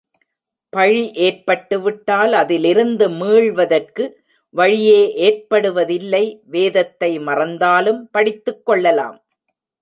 பழி ஏற்பட்டுவிட்டால் அதிலிருந்து மீள்வதற்கு வழியே ஏற்படுவதில்லை வேதத்தை மறந்தாலும் படித்துக் கொள்ளலாம்.